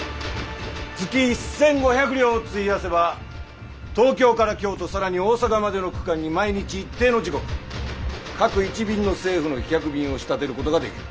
月１千５００両を費やせば東京から京都更に大阪までの区間に毎日一定の時刻各１便の政府の飛脚便を仕立てることができる。